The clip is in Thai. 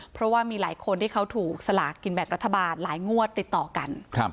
เพราะว่ามีหลายคนที่เขาถูกสลากกินแบ่งรัฐบาลหลายงวดติดต่อกัน